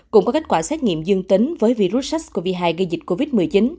cũng có kết quả xét nghiệm dương tính với virus sars cov hai gây dịch covid một mươi chín